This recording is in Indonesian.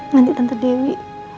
nanti tante dewi